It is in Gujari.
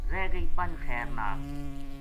رہ گئی پنج خیر نال